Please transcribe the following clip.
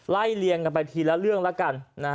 ไล่เลียงกันไปทีละเรื่องละกัน